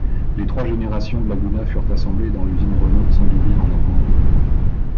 Les trois générations de Laguna furent assemblées dans l'usine Renault de Sandouville en Normandie.